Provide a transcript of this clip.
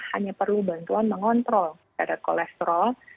hanya perlu bantuan mengontrol terhadap kolesterol